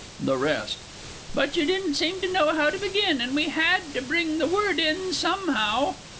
THE REST. But you didn't seem to know how to begin, and we had to bring the Word in somehow.